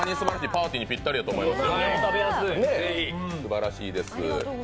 パーティーにピッタリやと思います。